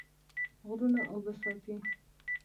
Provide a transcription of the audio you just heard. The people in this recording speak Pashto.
غرونه اوبه ساتي.